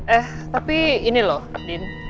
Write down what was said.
eh tapi ini loh din